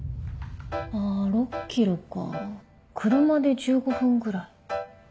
車で１５分ぐらい？